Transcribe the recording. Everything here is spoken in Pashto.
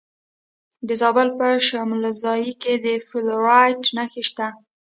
د زابل په شمولزای کې د فلورایټ نښې شته.